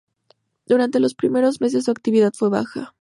Durante los primeros meses su actividad fue baja.